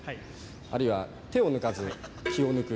あるいは手を抜かず、気を抜く。